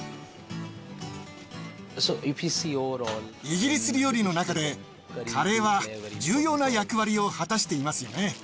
イギリス料理の中でカレーは重要な役割を果たしていますよね。